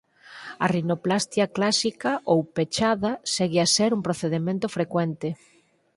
A rinoplastia clásica ou pechada segue a ser un procedemento frecuente.